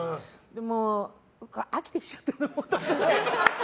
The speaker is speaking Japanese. もう飽きてきちゃって。